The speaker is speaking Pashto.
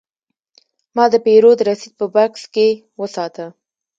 ما د پیرود رسید په بکس کې وساته.